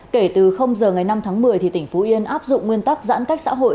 kể từ giờ ngày năm tháng một mươi tỉnh phú yên áp dụng nguyên tắc giãn cách xã hội